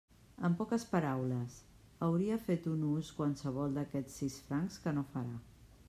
En poques paraules, hauria fet un ús qualsevol d'aquests sis francs que no farà.